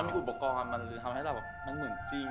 อุปกรณ์มันทำให้เหมือนจริง